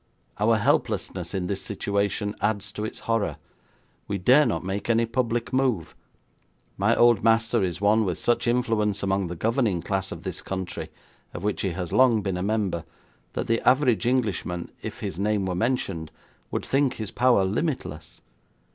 Our helplessness in this situation adds to its horror. We dare not make any public move. My old master is one with such influence among the governing class of this country, of which he has long been a member, that the average Englishman, if his name were mentioned, would think his power limitless.